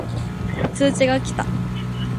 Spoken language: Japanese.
通知が来た